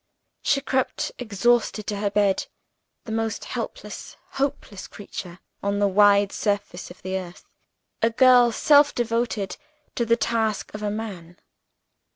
She crept exhausted to her bed, the most helpless, hopeless creature on the wide surface of the earth a girl self devoted to the task of a man.